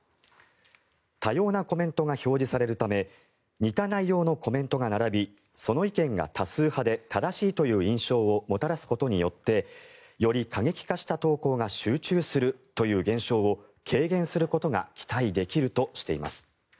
多様なコメントが表示されるため似た内容のコメントが並びその意見が多数派で正しいという印象をもたらすことによってより過激化した投稿が集中するという現象を軽減することが期待できるとしています。